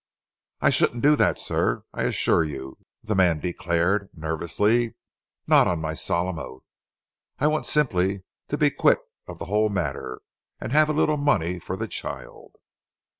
"I shouldn't do that, sir, I assure you," the man declared nervously, "not on my solemn oath. I want simply to be quit of the whole matter and have a little money for the child."